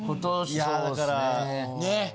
いやだから。ね？